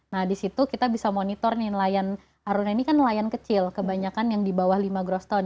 nah disitu kita bisa monitor nih nelayan aruna ini kan nelayan kecil kebanyakan yang di bawah lima groston